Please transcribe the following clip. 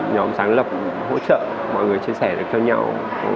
nhóm sáng lập hỗ trợ mọi người chia sẻ được cho nhau